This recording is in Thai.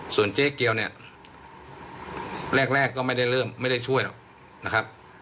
ส่วนเจ๊เกียวเนี่ยแรกก็ไม่ได้เริ่มไม่ได้ช่วยหรอกนะครับ